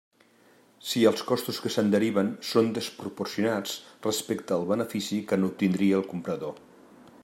Si els costos que se'n deriven són desproporcionats respecte al benefici que n'obtindria el comprador.